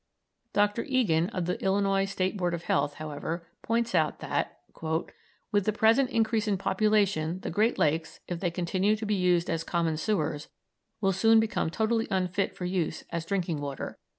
Dr. Egan, of the Illinois State Board of Health, however, points out that "with the present increase in population the Great Lakes, if they continue to be used as common sewers, will soon become totally unfit for use as drinking water